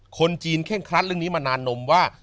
คนจีนเคร่งครัดเรื่องนี้มานานนมว่า